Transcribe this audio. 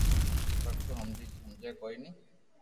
پر تو ھمجي ڪوئي ني